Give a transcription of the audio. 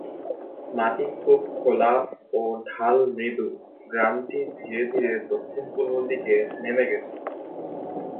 মাটি খুব খোলা, ও ঢাল মৃদু; গ্রামটি ধীরে ধীরে দক্ষিণ-পূর্ব দিকে নেমে গেছে।